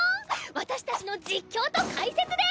私たちの実況と解説で！